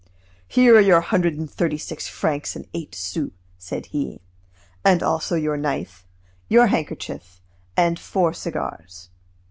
"Here are your hundred and thirty six francs and eight sous," said he, "and also your knife, your handkerchief, and four cigars."